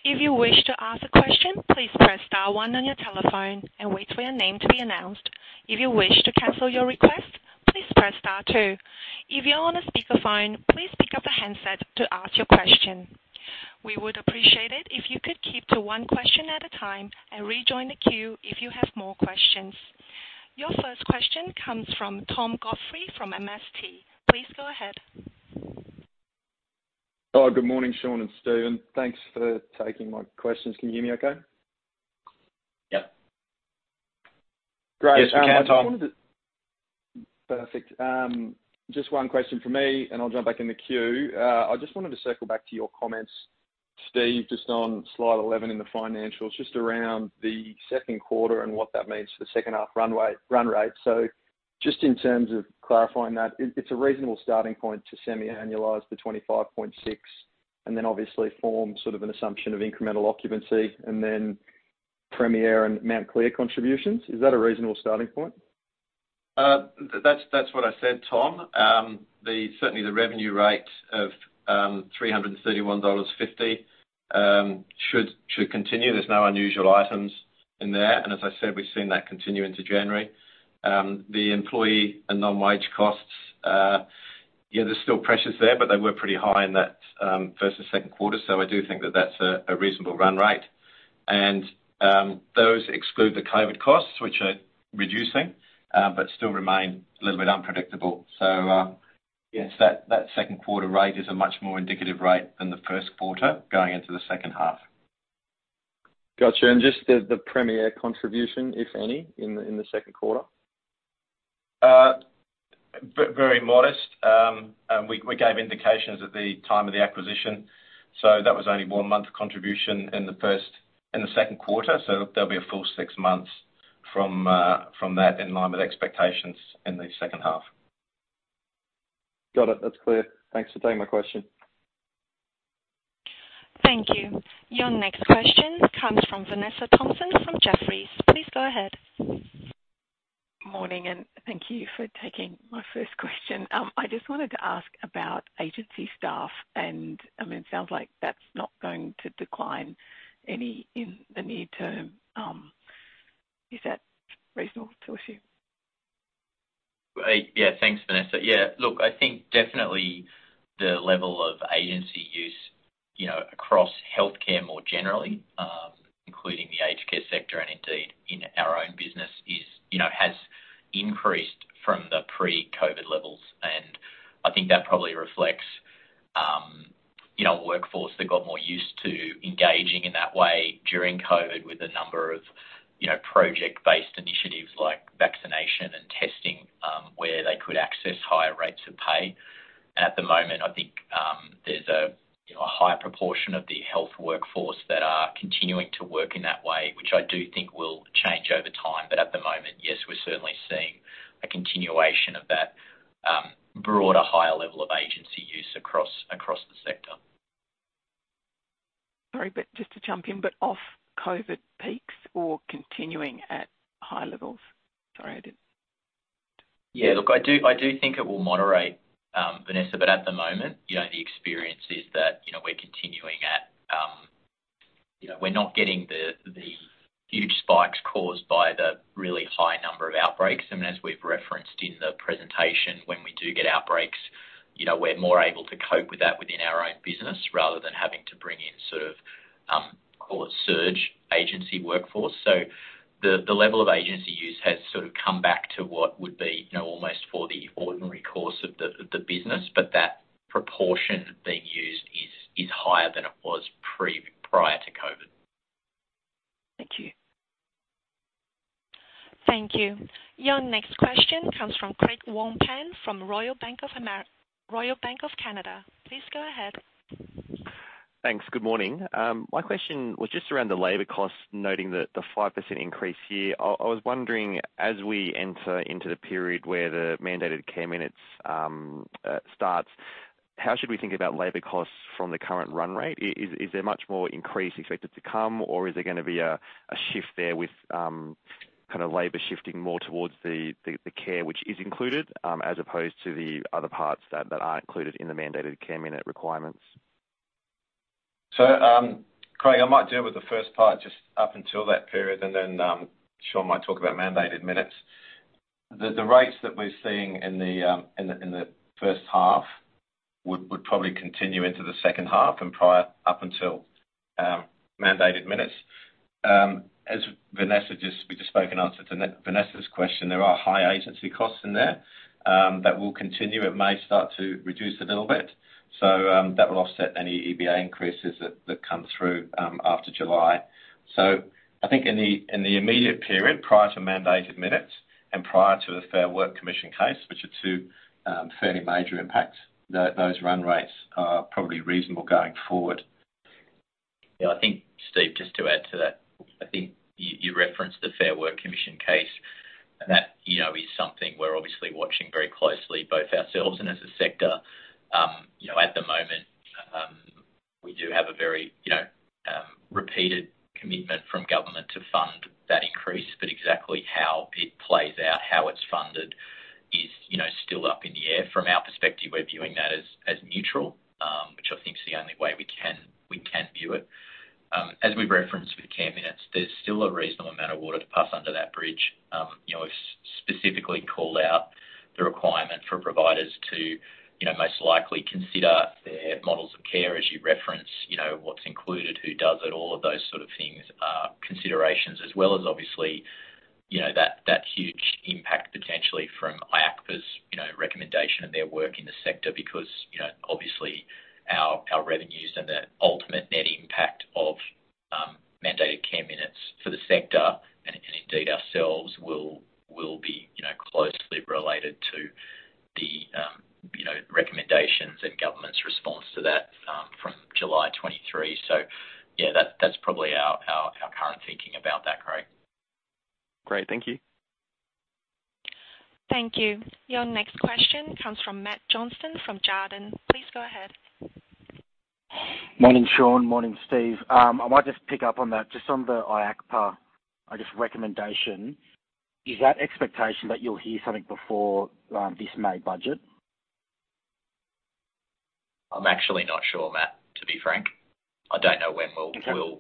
If you wish to ask a question, please press star one on your telephone and wait for your name to be announced. If you wish to cancel your request, please press star two. If you're on a speakerphone, please pick up the handset to ask your question. We would appreciate it if you could keep to one question at a time and rejoin the queue if you have more questions. Your first question comes from Tom Godfrey from MST. Please go ahead. Hello. Good morning, Sean and Steve, and thanks for taking my questions. Can you hear me okay? Yep. Great. Yes, we can, Tom. Perfect. Just one question from me, and I'll jump back in the queue. I just wanted to circle back to your comments, Steve, just on slide 11 in the financials, just around the second quarter and what that means for the second half run rate. Just in terms of clarifying that, it's a reasonable starting point to semi-annualize the 25.6 and then obviously form sort of an assumption of incremental occupancy and then Premier and Mount Clear contributions. Is that a reasonable starting point? That's what I said, Tom. The certainly the revenue rate of 331.50 dollars should continue. There's no unusual items in there, and as I said, we've seen that continue into January. The employee and non-wage costs, Yeah, there's still pressures there, but they were pretty high in that first and second quarter. I do think that that's a reasonable run rate. Those exclude the COVID costs, which are reducing, but still remain a little bit unpredictable. Yes, that second quarter rate is a much more indicative rate than the first quarter going into the second half. Got you. Just the Premier contribution, if any, in the second quarter. Very modest. We gave indications at the time of the acquisition, that was only one month contribution in the second quarter. There'll be a full six months from that in line with expectations in the second half. Got it. That's clear. Thanks for taking my question. Thank you. Your next question comes from Vanessa Thomson from Jefferies. Please go ahead. Morning, thank you for taking my first question. I just wanted to ask about agency staff, and I mean, it sounds like that's not going to decline any in the near term. Is that reasonable to assume? Yeah. Thanks, Vanessa. Yeah. Look, I think definitely the level of agency use, you know, across healthcare more generally, including the aged care sector and indeed in our own business is, you know, has increased from the pre-COVID levels. I think that probably reflects, you know, a workforce that got more used to engaging in that way during COVID with a number of, you know, project-based initiatives like vaccination and testing, where they could access higher rates of pay. At the moment I think, there's a, you know, a higher proportion of the health workforce that are continuing to work in that way, which I do think will change over time. At the moment, yes, we're certainly seeing a continuation of that broader, higher level of agency use across the sector. Sorry, just to jump in, but off-COVID peaks or continuing at high levels? Look, I do, I do think it will moderate, Vanessa. At the moment, you know, the experience is that, you know, we're continuing at, you know, we're not getting the huge spikes caused by the really high number of outbreaks. I mean, as we've referenced in the presentation, when we do get outbreaks, you know, we're more able to cope with that within our own business rather than having to bring in sort of, call it surge agency workforce. The level of agency use has sort of come back to what would be, you know, almost for the ordinary course of the, of the business. That proportion being used is higher than it was prior to COVID. Thank you. Thank you. Your next question comes from Craig Wong-Pan from Royal Bank of Canada. Please go ahead. Thanks. Good morning. My question was just around the labor costs, noting the 5% increase here. I was wondering, as we enter into the period where the mandated care minutes starts, how should we think about labor costs from the current run rate? Is there much more increase expected to come, or is there gonna be a shift there with kind of labor shifting more towards the care which is included as opposed to the other parts that aren't included in the mandated care minute requirements? Craig, I might deal with the first part just up until that period, and then Sean might talk about mandated minutes. The rates that we're seeing in the first half would probably continue into the second half and prior up until mandated minutes. As Vanessa just spoke in answer to Vanessa's question, there are high agency costs in there that will continue. It may start to reduce a little bit, so that will offset any EBA increases that come through after July. I think in the immediate period, prior to mandated minutes and prior to the Fair Work Commission case, which are two fairly major impacts, those run rates are probably reasonable going forward. Yeah. I think, Steve, just to add to that, I think you referenced the Fair Work Commission case, and that, you know, is something we're obviously watching very closely, both ourselves and as a sector. you know, at the moment, we do have a very, you know, repeated commitment from government to fund that increase. Exactly how it plays out, how it's funded is, you know, still up in the air. From our perspective, we're viewing that as neutral, which I think is the only way we can, we can view it. As we've referenced with care minutes, there's still a reasonable amount of water to pass under that bridge. You know, we've specifically called out the requirement for providers to, you know, most likely consider their models of care as you reference, you know, what's included, who does it, all of those sort of things, considerations, as well as obviously, you know, that huge impact potentially from IHACPA's, you know, recommendation and their work in the sector because, you know, obviously our revenues and the ultimate net impact of mandated care minutes for the sector and indeed ourselves will be, you know, closely related to the, you know, recommendations and government's response to that from July 2023. Yeah, that's probably our current thinking about that, Craig. Great. Thank you. Thank you. Your next question comes from Matthew Johnston from Jarden. Please go ahead. Morning, Sean. Morning, Steve. I might just pick up on that, just on the IHACPA, I guess, recommendation. Is that expectation that you'll hear something before, this May budget? I'm actually not sure, Matt, to be frank. I don't know when we'll- Okay.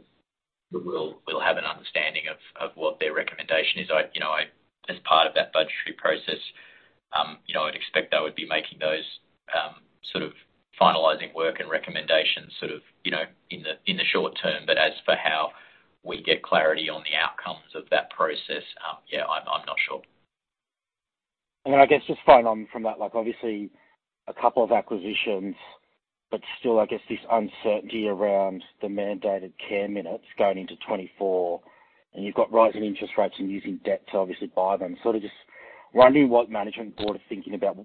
we'll have an understanding of what their recommendation is. I, you know, As part of that budgetary process, you know, I'd expect they would be making those sort of finalizing work and recommendations sort of, you know, in the short term. As for how we get clarity on the outcomes of that process, yeah, I'm not sure. I guess just following on from that, like, obviously a couple of acquisitions, but still, I guess this uncertainty around the mandated care minutes going into 2024, and you've got rising interest rates and using debt to obviously buy them. Sort of just wondering what management board are thinking about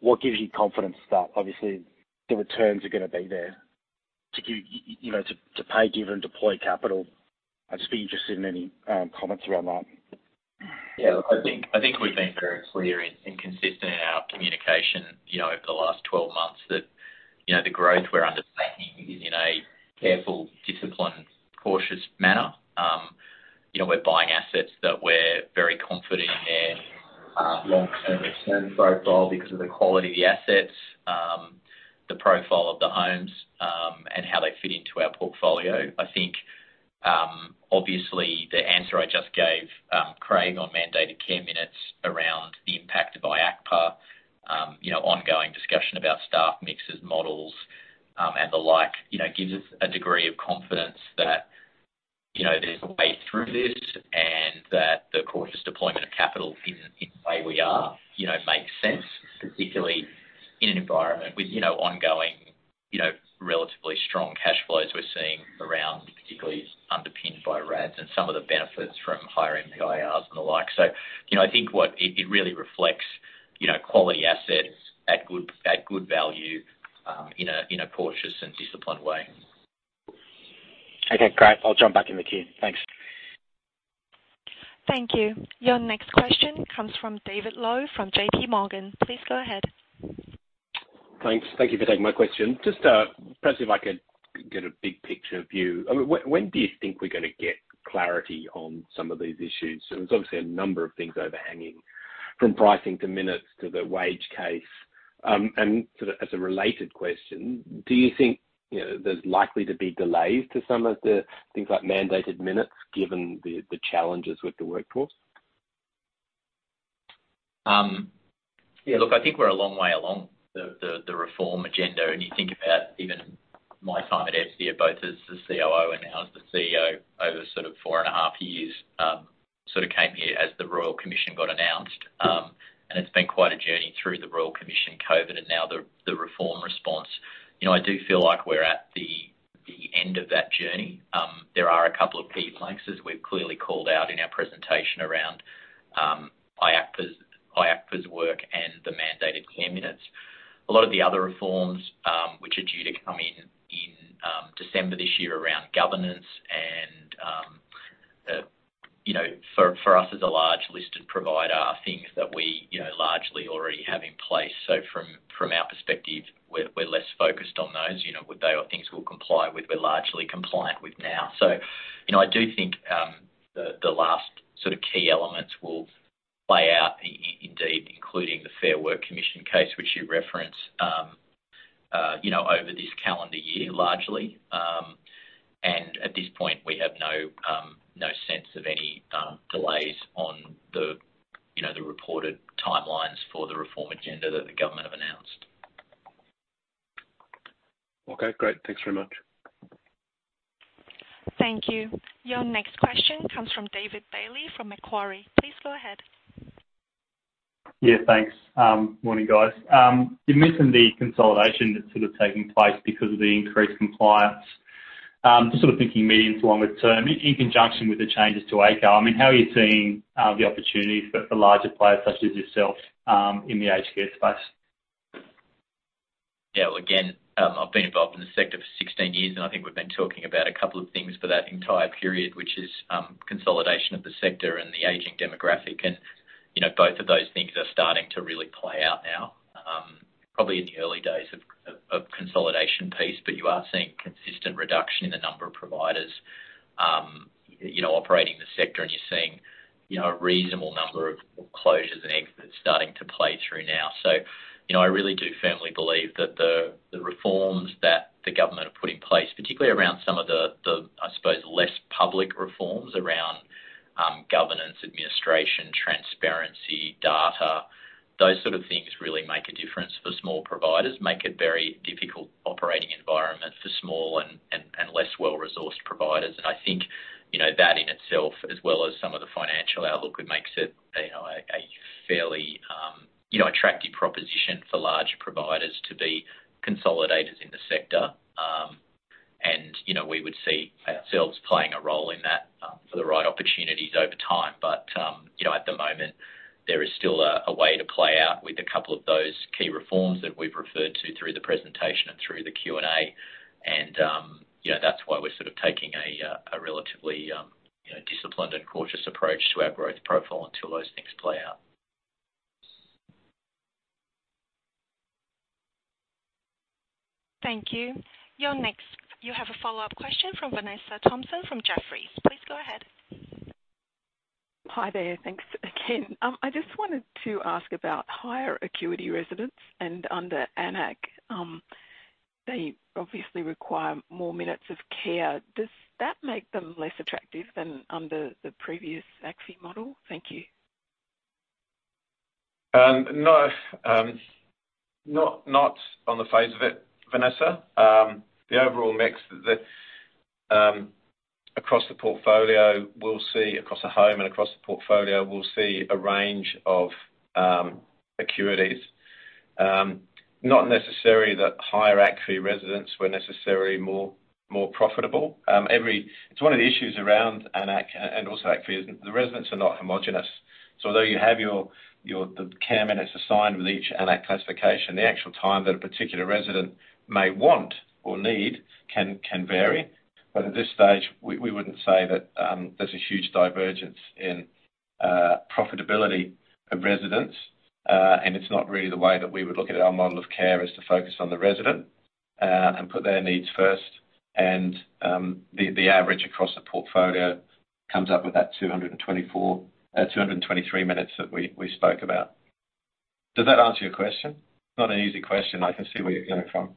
what gives you confidence that obviously the returns are gonna be there to give, you know, to pay, give and deploy capital? I'd just be interested in any comments around that. Yeah, look, I think we've been very clear and consistent in our communication, you know, over the last 12 months that, you know, the growth we're undertaking is in a careful, disciplined, cautious manner. You know, we're buying assets that we're very confident in their long-term return profile because of the quality of the assets, the profile of the homes, and how they fit into our portfolio. I think, obviously the answer I just gave, Craig on mandated care minutes around the impact of IHACPA, you know, ongoing discussion about staff mixes, models, and the like, you know, gives us a degree of confidence that, you know, there's a way through this and that the cautious deployment of capital in the way we are, you know, makes sense, particularly in an environment with, you know, ongoing, you know, relatively strong cash flows we're seeing around, particularly underpinned by RADs and some of the benefits from higher MPIRs and the like. So, you know, I think what it really reflects, you know, quality assets at good, at good value, in a, in a cautious and disciplined way. Okay, great. I'll jump back in the queue. Thanks. Thank you. Your next question comes from David Lowe from JPMorgan. Please go ahead. Thanks. Thank you for taking my question. Just, perhaps if I could get a big picture view. I mean, when do you think we're gonna get clarity on some of these issues? There's obviously a number of things overhanging, from pricing to minutes to the wage case. Sort of as a related question, do you think, you know, there's likely to be delays to some of the things like mandated minutes given the challenges with the workforce? Yeah, look, I think we're a long way along the reform agenda. When you think about even my time at Estia, both as the COO and now as the CEO over sort of four point five years, sort of came here as the Royal Commission got announced. It's been quite a journey through the Royal Commission, COVID, and now the reform response. You know, I do feel like we're at the end of that journey. There are a couple of key planks, as we've clearly called out in our presentation around IHACPA's work and the mandated care minutes. A lot of the other reforms, which are due to come in in December this year around governance and, you know, for us as a large listed provider are things that we, you know, largely already have in place. From, from our perspective, we're less focused on those. You know, they are things we'll comply with, we're largely compliant with now. You know, I do think the last sort of key elements will play out indeed, including the Fair Work Commission case which you reference, you know, over this calendar year, largely. At this point, we have no sense of any, delays on the, you know, the reported timelines for the reform agenda that the government have announced. Okay, great. Thanks very much. Thank you. Your next question comes from David Bailey from Macquarie. Please go ahead. Thanks. Morning, guys. You mentioned the consolidation that's sort of taking place because of the increased compliance. Just sort of thinking medium to longer term, in conjunction with the changes to ACO. I mean, how are you seeing the opportunities for larger players such as yourself in the aged care space? Well, again, I've been involved in the sector for 16 years, and I think we've been talking about a couple of things for that entire period, which is consolidation of the sector and the aging demographic. You know, both of those things are starting to really play out now, probably in the early days of consolidation piece, but you are seeing consistent reduction in the number of providers, you know, operating in the sector, and you're seeing, you know, a reasonable number of closures and exits starting to play through now. You know, I really do firmly believe that the reforms that the government have put in place, particularly around some of the, I suppose, less public reforms around governance, administration, transparency, data, those sort of things really make a difference for small providers, make a very difficult operating environment for small and less well-resourced providers. I think, you know, that in itself, as well as some of the financial outlook, it makes it, you know, a fairly, you know, attractive proposition for larger providers to be consolidators in the sector. You know, we would see ourselves playing a role in that for the right opportunities over time. You know, at the moment, there is still a way to play out with a couple of those key reforms that we've referred to through the presentation and through the Q&A. You know, that's why we're sort of taking a relatively, you know, disciplined and cautious approach to our growth profile until those things play out. Thank you. You have a follow-up question from Vanessa Thomson from Jefferies. Please go ahead. Hi there. Thanks again. I just wanted to ask about higher acuity residents and under AN-ACC, they obviously require more minutes of care. Does that make them less attractive than under the previous AN-ACC model? Thank you. No. Not, not on the face of it, Vanessa. The overall mix that across the portfolio, we'll see across a home and across the portfolio, we'll see a range of acuities. Not necessary that higher AN-ACC residents were necessarily more profitable. It's one of the issues around AN-ACC and also AN-ACC is the residents are not homogenous. Although you have your, the care minutes assigned with each AN-ACC classification, the actual time that a particular resident may want or need can vary. At this stage, we wouldn't say that there's a huge divergence in profitability of residents. It's not really the way that we would look at our model of care is to focus on the resident, and put their needs first. The average across the portfolio comes up with that 224, 223 minutes that we spoke about. Does that answer your question? Not an easy question. I can see where you're coming from.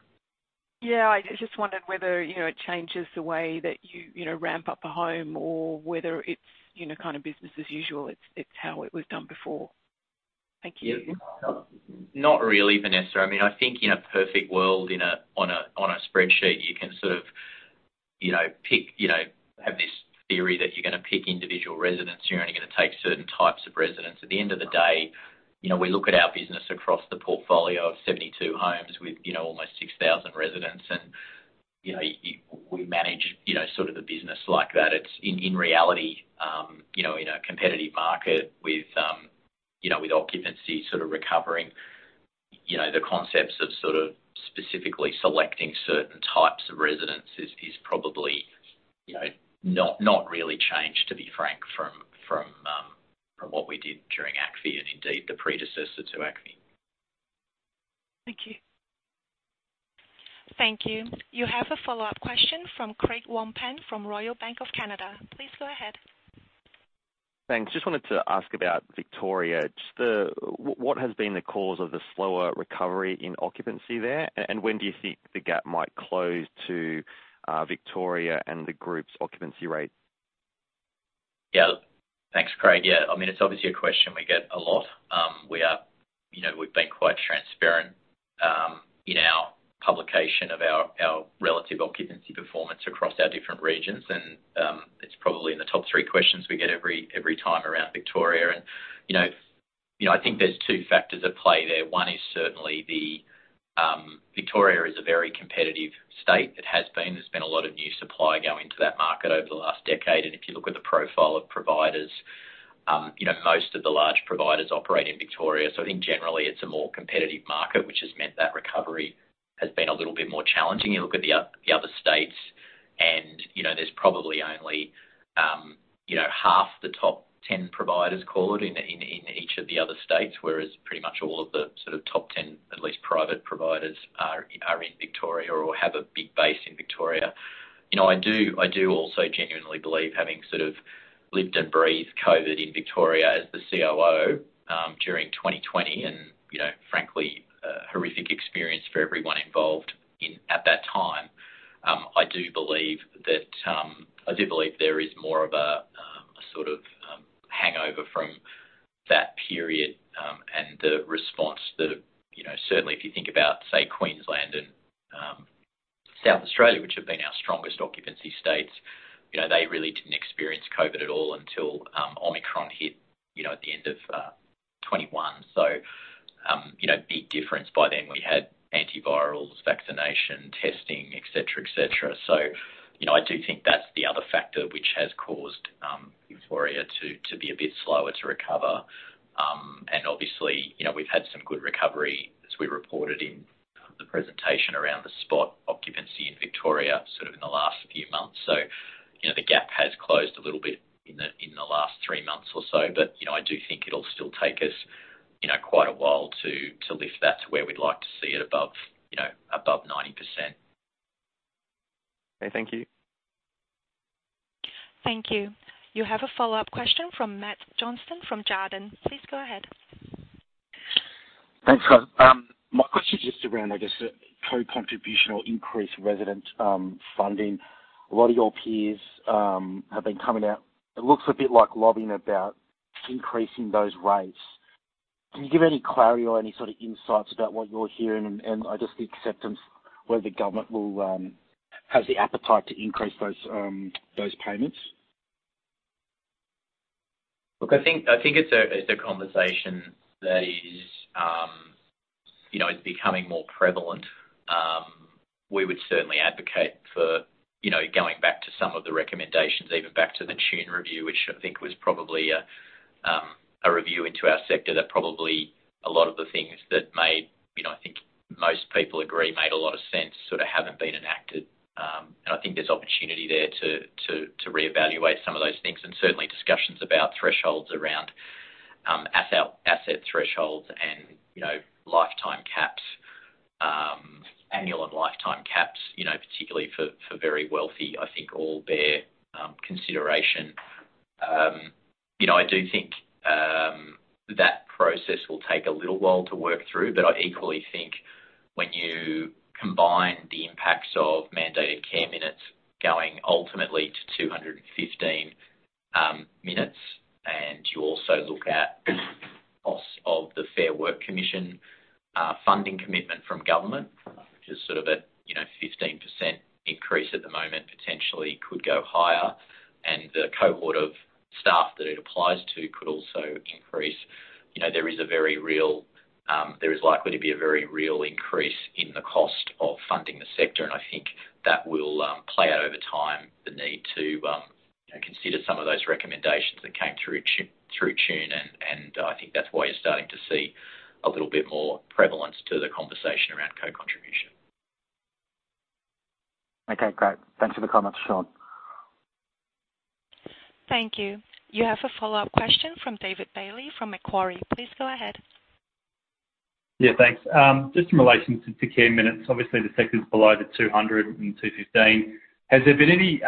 Yeah. I just wondered whether, you know, it changes the way that you know, ramp up a home or whether it's, you know, kind of business as usual. It's how it was done before. Thank you. Yeah. Not really, Vanessa. I mean, I think in a perfect world, in a, on a, on a spreadsheet, you can sort of, you know, pick, you know, have this theory that you're gonna pick individual residents, you're only gonna take certain types of residents. At the end of the day, you know, we look at our business across the portfolio of 72 homes with, you know, almost 6,000 residents and, you know, we manage, you know, sort of the business like that. It's in reality, you know, in a competitive market with, you know, with occupancy sort of recovering, you know, the concepts of sort of specifically selecting certain types of residents is probably, you know, not really changed, to be frank, from what we did during AN-ACC and indeed the predecessor to AN-ACC. Thank you. Thank you. You have a follow-up question from Craig Wong-Pan from Royal Bank of Canada. Please go ahead. Thanks. Just wanted to ask about Victoria. What has been the cause of the slower recovery in occupancy there? When do you think the gap might close to Victoria and the group's occupancy rates? Yeah. Thanks, Craig. Yeah, I mean, it's obviously a question we get a lot. We are, you know, we've been quite transparent in our publication of our relative occupancy performance across our different regions. It's probably in the top three questions we get every time around Victoria. You know, I think there's two factors at play there. One is certainly the Victoria is a very competitive state. It has been. There's been a lot of new supply go into that market over the last decade. If you look at the profile of providers, you know, most of the large providers operate in Victoria. In generally, it's a more competitive market, which has meant that recovery has been a little bit more challenging. You look at the other states and, you know, there's probably only, you know, half the top 10 providers call it in each of the other states, whereas pretty much all of the sort of top 10, at least private providers are in Victoria or have a big base in Victoria. You know, I do, I do also genuinely believe having sort of lived and breathed COVID in Victoria as the COO, during 2020 and, you know, frankly, a horrific experience for everyone involved in at that time, I do believe that, I do believe there is more of a sort of, hangover from that period, and the response that, you know, certainly if you think about, say, Queensland and South Australia, which have been our strongest occupancy states, you know, they really didn't experience COVID at all until Omicron hit, you know, at the end of 2021. You know, big difference by then we had antivirals, vaccination, testing, et cetera, et cetera. You know, I do think that's the other factor which has caused Victoria to be a bit slower to recover. Obviously, you know, we've had some good recovery, as we reported in the presentation around the spot occupancy in Victoria, sort of in the last few months. You know, the gap has closed a little bit in the, in the last three months or so. You know, I do think it'll still take us, you know, quite a while to lift that to where we'd like to see it above, you know, above 90%. Okay. Thank you. Thank you. You have a follow-up question from Matthew Johnston from Jarden. Please go ahead. Thanks, guys. My question is just around, I guess, co-contributional increase resident funding. A lot of your peers have been coming out. It looks a bit like lobbying about increasing those rates. Can you give any clarity or any sort of insights about what you're hearing? I just the acceptance whether the government will has the appetite to increase those payments? Look, I think it's a conversation that is, you know, is becoming more prevalent. We would certainly advocate for, you know, going back to some of the recommendations, even back to the Tune Review, which I think was probably a review into our sector that probably a lot of the things that made, you know, I think most people agree, made a lot of sense, sort of haven't been enacted. I think there's opportunity there to reevaluate some of those things and certainly discussions about thresholds around asset thresholds and, you know, lifetime caps, you know, particularly for very wealthy, I think all bear consideration. You know, I do think that process will take a little while to work through, but I equally think when you combine the impacts of mandated care minutes going ultimately to 215 minutes, you also look at costs of the Fair Work Commission funding commitment from government, which is sort of a, you know, 15% increase at the moment, potentially could go higher, and the cohort of staff that it applies to could also increase. You know, there is a very real, there is likely to be a very real increase in the cost of funding the sector. I think that will play out over time, the need to, you know, consider some of those recommendations that came through Tune. I think that's why you're starting to see a little bit more prevalence to the conversation around co-contribution. Okay, great. Thanks for the comments, Sean. Thank you. You have a follow-up question from David Bailey from Macquarie. Please go ahead. Thanks. Just in relation to care minutes, obviously the sector is below the 200 and 215. Has there been any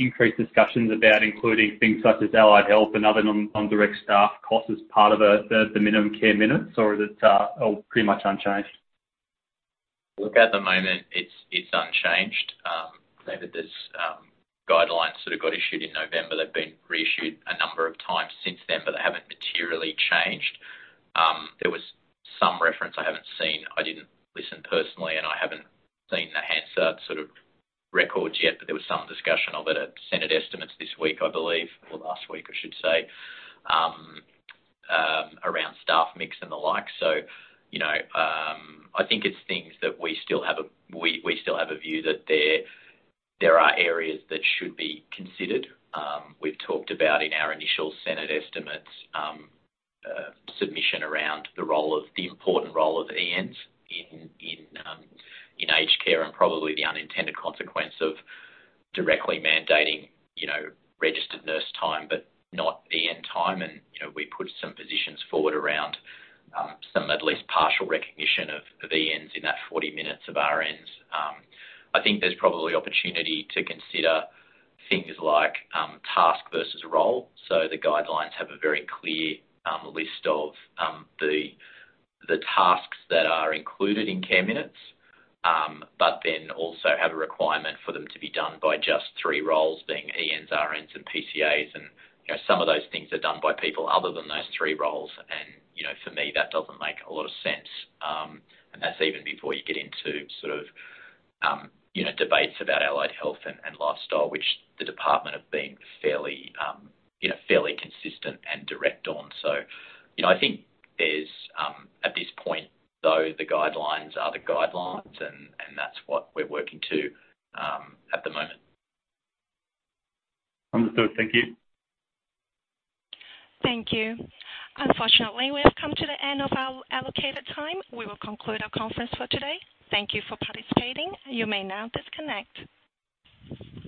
increased discussions about including things such as allied health and other non-direct staff costs as part of the, the minimum care minutes? Or is it all pretty much unchanged? At the moment it's unchanged. David, there's guidelines that have got issued in November that have been reissued a number of times since then, they haven't materially changed. There was some reference I haven't seen, I didn't listen personally, I haven't seen the answer sort of records yet, there was some discussion of it at Senate estimates this week, I believe, or last week, I should say, around staff mix and the like. You know, I think it's things that we still have a view that there are areas that should be considered. We've talked about in our initial Senate estimates submission around the role of... The important role of ENs in aged care and probably the unintended consequence of directly mandating, you know, registered nurse time, but not EN time. You know, we put some positions forward around some at least partial recognition of ENs in that 40 minutes of RNs. I think there's probably opportunity to consider things like task versus role. The guidelines have a very clear list of the tasks that are included in care minutes, but then also have a requirement for them to be done by just three roles being ENs, RNs, and PCAs. You know, some of those things are done by people other than those three roles, and you know, for me, that doesn't make a lot of sense. That's even before you get into sort of, you know, debates about allied health and lifestyle, which the department have been fairly, you know, fairly consistent and direct on. You know, I think there's at this point, though, the guidelines are the guidelines and that's what we're working to at the moment. Understood. Thank you. Thank you. Unfortunately, we have come to the end of our allocated time. We will conclude our conference for today. Thank you for participating. You may now disconnect.